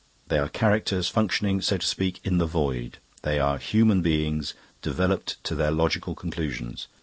"They are characters functioning, so to speak, in the void. They are human beings developed to their logical conclusions.